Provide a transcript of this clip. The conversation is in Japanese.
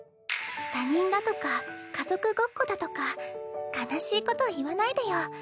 他人だとか家族ごっこだとか悲しいこと言わないでよ。